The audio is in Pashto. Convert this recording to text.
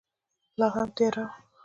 لا هم تیاره وه.